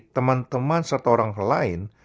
teman teman atau orang lain